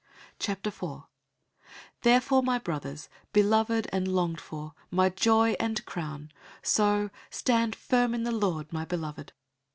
004:001 Therefore, my brothers, beloved and longed for, my joy and crown, so stand firm in the Lord, my beloved.